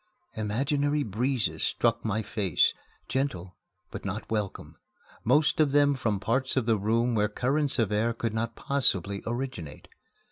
Imaginary breezes struck my face, gentle, but not welcome, most of them from parts of the room where currents of air could not possibly originate.